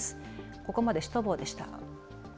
ここまでシュトボーでした。